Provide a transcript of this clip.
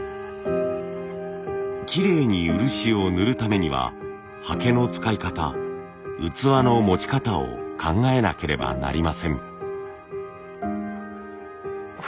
きれいに漆を塗るためにははけの使い方器の持ち方を考えなければなりません。